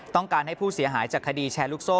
ต้องการให้ผู้เสียหายจากคดีแชร์ลูกโซ่